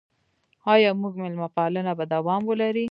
آیا زموږ میلمه پالنه به دوام ولري؟